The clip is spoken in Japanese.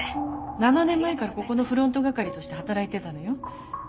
７年前からここのフロント係として働いてたのよ。